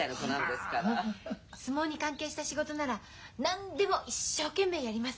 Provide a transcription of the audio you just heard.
相撲に関係した仕事なら何でも一生懸命やります。